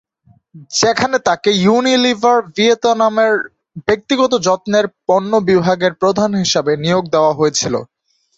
যেখানে তাঁকে ইউনিলিভার ভিয়েতনামের ব্যক্তিগত যত্নের পন্য বিভাগের প্রধান হিসেবে নিয়োগ দেওয়া হয়েছিল।